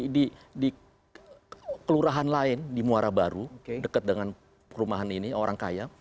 di kelurahan lain di muara baru dekat dengan perumahan ini orang kaya